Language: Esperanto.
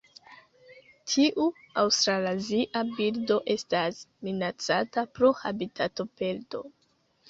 Tiu aŭstralazia birdo estas minacata pro habitatoperdo.